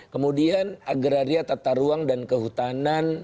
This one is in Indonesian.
kemudian agraria tata ruang dan kehutanan